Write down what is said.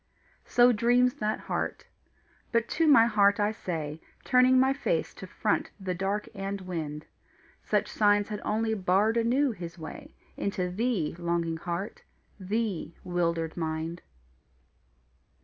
So dreams that heart. But to my heart I say, Turning my face to front the dark and wind: Such signs had only barred anew His way Into thee, longing heart, thee, wildered mind.